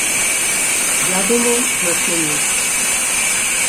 Я думаў, значна менш.